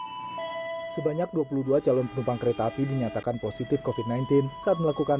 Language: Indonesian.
hai sebanyak dua puluh dua calon penumpang kereta api dinyatakan positif kofi sembilan belas saat melakukan